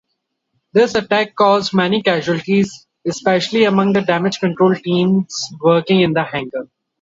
This attack caused many casualties, especially among the damage-control teams working in the hangar.